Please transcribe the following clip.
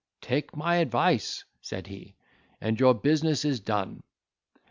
"Take my advice," said he, "and your business is done.